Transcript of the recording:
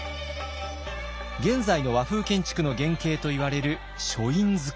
現在の和風建築の原型といわれる書院造り。